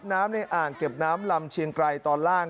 ในอ่างเก็บน้ำลำเชียงไกรตอนล่าง